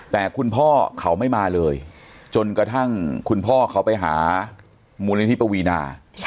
แต่คุณพ่อเขาไม่มาเลยจนกระทั่งคุณพ่อเขาไปหามูลนิธิปวีนา